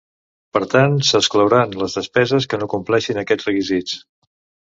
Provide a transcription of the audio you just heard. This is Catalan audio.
Per tant, s'exclouran les despeses que no compleixin aquests requisits.